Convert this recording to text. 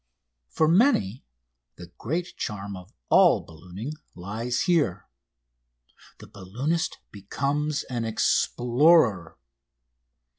For many the great charm of all ballooning lies here. The balloonist becomes an explorer.